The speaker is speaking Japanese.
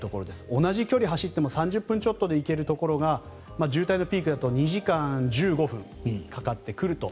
同じ距離を走っても３０分ちょっとで行けるところが渋滞のピークだと２時間１５分かかってくると。